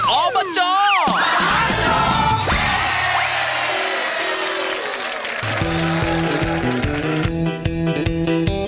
ออบจมหาสนุก